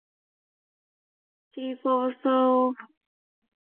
Triphosphoric acid has not been obtained in crystalline form.